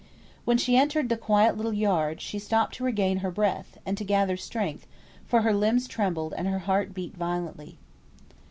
When she entered the quiet little yard she stopped to regain her breath, and to gather strength, for her limbs trembled, and her heart beat violently.